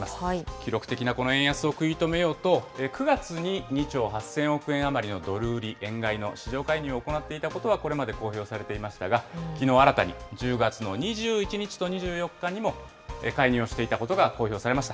記録的なこの円安を食い止めようと、９月に２兆８０００億円余りのドル売り円買いの市場介入を行っていたことは、これまで公表されていましたが、きのう新たに、１０月の２１日と２４日にも介入をしていたことが公表されました。